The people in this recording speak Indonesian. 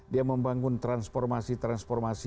dia membangun transformasi transformasi